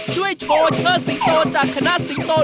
โชว์เชิดสิงโตจากคณะสิงโต